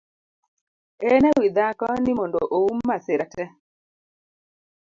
En e wii dhako ni mondo oum masira tee